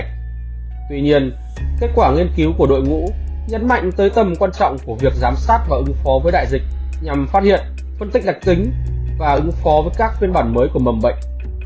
tuy nhiên kết quả nghiên cứu của đội ngũ nhấn mạnh tới tầm quan trọng của việc giám sát và ứng phó với đại dịch nhằm phát hiện phân tích đặc tính và ứng phó với các phiên bản mới của mầm bệnh